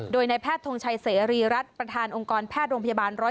โดยนายแพทย์ทงชัยเสรีรัฐประธานองค์กรแพทย์โรงพยาบาล๑๐๑